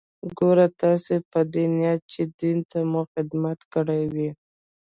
ګوره تاسې په دې نيت چې دين ته مو خدمت کړى وي.